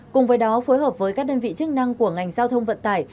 cùng với đó phối hợp với các đơn vị chức năng của ngành giao thông vận tải